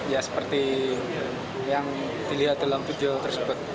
ya seperti yang dilihat dalam video tersebut